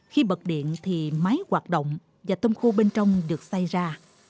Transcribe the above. khi bật điện thì máy hoạt động và tôm khô bên trong được xây ra